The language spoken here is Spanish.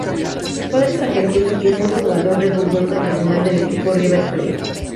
Su padre es argentino, quien fue jugador de fútbol profesional del equipo River Plate.